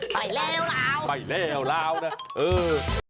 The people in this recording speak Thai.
ไปแล้วลาวไปแล้วลาวนะเออ